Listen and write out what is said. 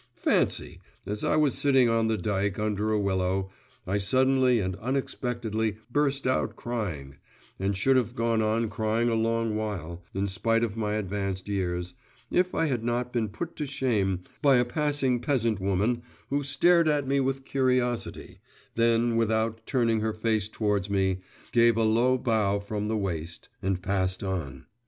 Fancy! as I was sitting on the dike, under a willow, I suddenly and unexpectedly burst out crying, and should have gone on crying a long while, in spite of my advanced years, if I had not been put to shame by a passing peasant woman, who stared at me with curiosity, then, without turning her face towards me, gave a low bow from the waist, and passed on.